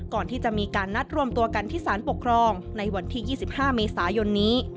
ก่อนที่จะมีการนัดรวมตัวกันที่สารปกครองในวันที่๒๕เมษายนนี้